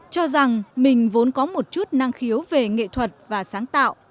cho rằng mình vốn có một chút năng khiếu về nghệ thuật và sáng tạo